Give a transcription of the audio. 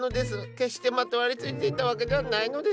決してまとわりついていたわけではないのです。